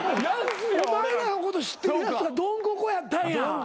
お前らのこと知ってるやつがドンココやったんや。